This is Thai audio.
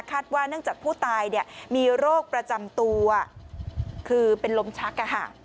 ว่าเนื่องจากผู้ตายมีโรคประจำตัวคือเป็นลมชัก